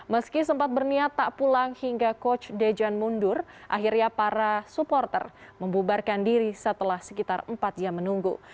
meski sempat berniat tak pulang hingga coach dejan mundur akhirnya para supporter membubarkan diri setelah sekitar empat jam menunggu